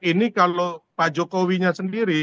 ini kalau pak jokowi nya sendiri